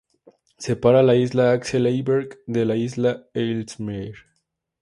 Separa la isla Axel Heiberg de la isla Ellesmere.